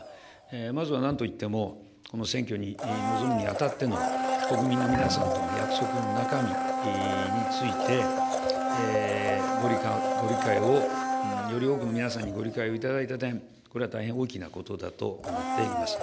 まずはなんといっても、この選挙に臨むにあたっての、国民の皆さんとの約束の中身について、ご理解をより多くの皆さんに、ご理解をいただいた点、これは大変大きなことだと思っています。